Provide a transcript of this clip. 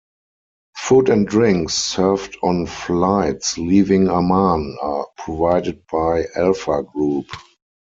Food and drinks served on flights leaving Amman are provided by Alpha Group.